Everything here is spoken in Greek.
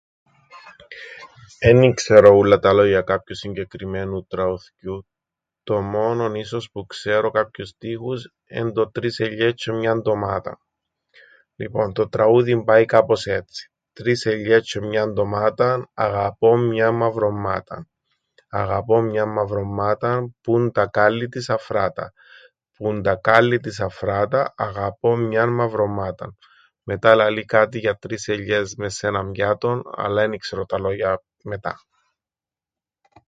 "Εν ι-ξέρω ούλλα τα λόγια κάποιου συγκεκριμμένου τραουθκιού. Το μόνον ίσως που ξέρω κάποιους στίχους εν' το ""Τρεις ελιές τζ̆αι μιαν τομάταν."" Λοιπόν το τραούδιν πάει κάπως έτσι: ""τρεις ελιές τζ̆αι μιαν τομάταν, αγαπώ μιαν μαυρομμάταν, αγαπώ μιαν μαυρομμάταν, που 'ν τα κάλλη της αφράτα, που 'ν τα κάλλη της αφράτα, αγαπώ μιαν μαυρομμάταν"". Μετά λαλεί κάτι για τρεις ελιές μες σ' έναν πιάτον, αλλά εν ι-ξέρω τα λόγια μετά."